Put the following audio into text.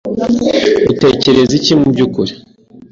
Utekereza iki mubyukuri ?